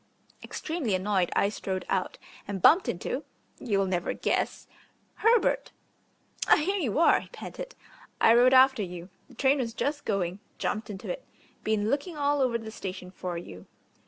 Extremely annoyed I strode out, and bumped into you'll never guess Herbert! "Ah, here you are," he panted; "I rode after you the train was just going jumped into it been looking all over the station for you."